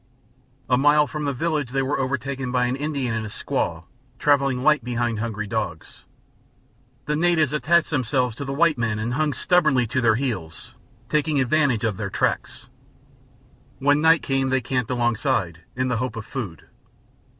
A mile from the village they were overtaken by an Indian and his squaw, traveling light behind hungry dogs. The natives attached themselves to the white men and hung stubbornly to their heels, taking advantage of their tracks. When night came they camped alongside, in the hope of food.